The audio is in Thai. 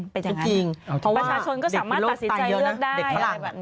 เป็นจริงประชาชนก็สามารถตัดสินใจเลือกได้อะไรแบบนี้